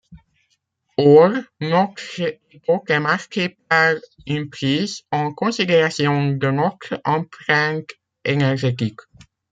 Or, notre époque est marquée par une prise en considération de notre empreinte énergétique.